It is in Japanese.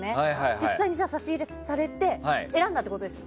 実際に差し入れされて選んだってことですか？